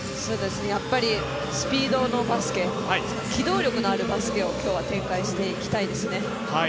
やっぱりスピードのバスケ機動力のあるバスケを今日は展開していきたいですね。